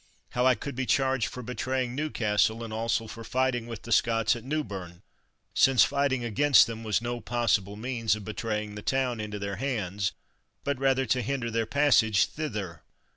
how I could be charged for betraying Newcastle, and also for fighting with the Scots at Newburne, since fighting against them was no possible means of betraying the town into their hands, but rather to hinder their passage thither!